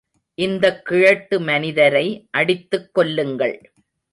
இந்தக் கிழட்டு மனிதரை அடித்துக் கொல்லுங்கள்.